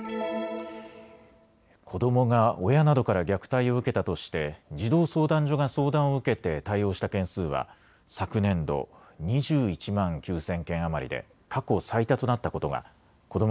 子どもが親などから虐待を受けたとして児童相談所が相談を受けて対応した件数は昨年度、２１万９０００件余りで過去最多となったことがこども